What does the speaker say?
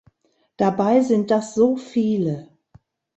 Dabei sind das so viele!